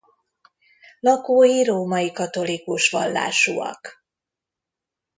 Lakói római katolikus vallásúak.